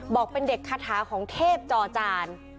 บอกเป็นเด็กคาถาของเทพจอจาน